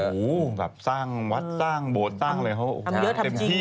โอ้โหแบบสร้างวัดสร้างโบสถ์สร้างอะไรเขาโอ้โหเต็มที่